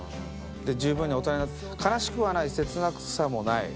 「十分に大人になった」「悲しくはない切なさもない」